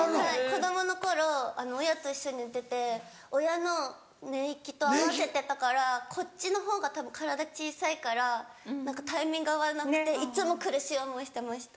子供の頃親と一緒に寝てて親の寝息と合わせてたからこっちの方がたぶん体小さいからタイミング合わなくていっつも苦しい思いしてました。